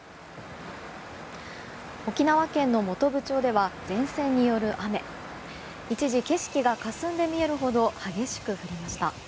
沖縄県では前線による雨一時景色がかすんで見えるほど激しく降りました。